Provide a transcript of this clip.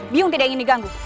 biong tidak ingin diganggu